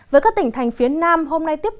với các tỉnh thành phía nam hôm nay tiếp tục